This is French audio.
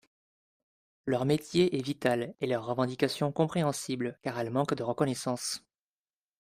Leur métier est vital et leurs revendications compréhensibles car elles manquent de reconnaissance.